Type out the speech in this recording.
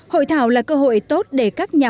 hội thảo là cơ hội tốt để các nhân dân